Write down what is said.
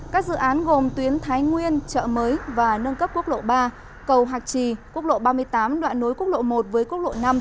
các dự án gồm tuyến thái nguyên chợ mới và nâng cấp quốc lộ ba cầu hạc trì quốc lộ ba mươi tám đoạn nối quốc lộ một với quốc lộ năm